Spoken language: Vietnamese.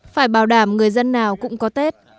phải bảo đảm người dân nào cũng có tết